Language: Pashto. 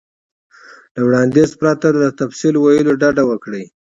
له وړاندیز پرته له تفصیل ویلو ډډه وکړئ.